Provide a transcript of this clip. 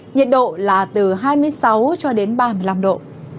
nhiệt độ là từ hai mươi sáu cho đến ba mươi năm độ